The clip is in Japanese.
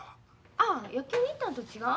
ああ野球に行ったんと違う？